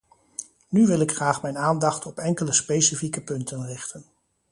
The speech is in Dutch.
Nu wil ik graag mijn aandacht op enkele specifieke punten richten.